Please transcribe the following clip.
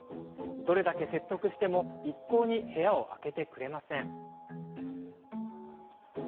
どれだけ説得しても一向に部屋を空けてくれません。